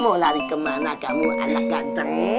mau lari kemana kamu anak ganteng